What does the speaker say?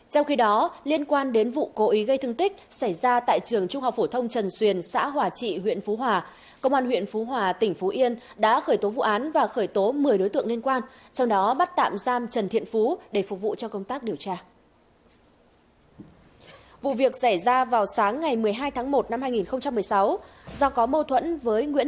hãy đăng ký kênh để ủng hộ kênh của chúng mình nhé